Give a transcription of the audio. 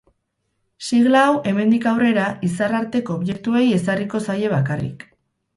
Sigla hau, hemendik aurrera, izar-arteko objektuei ezarriko zaie bakarrik.